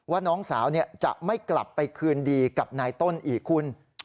ว่าน้องสาวจะไม่กลับไปคืนดีกับนายต้นอีกคุณ